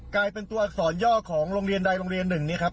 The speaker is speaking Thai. กลายเป็นตัวอักษรย่อของโรงเรียนใดโรงเรียนหนึ่งเนี่ยครับ